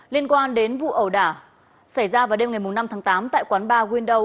liên quan đến vụ ẩu đả xảy ra vào đêm ngày năm tháng tám tại quán bar window